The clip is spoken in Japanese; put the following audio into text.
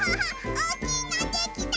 おおきいのできた！